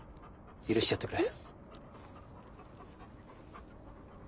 許してやってくれ。